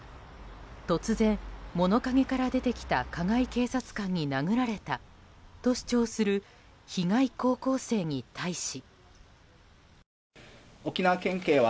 突然物陰から出てきた加害警察官に殴られたと主張する被害高校生に対し。